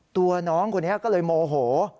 ตัวน้องคุณเนี่ยก็เลยโมโห